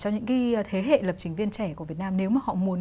những thế hệ lập trình viên trẻ của việt nam nếu mà họ muốn